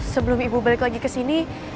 sebelum ibu balik lagi kesini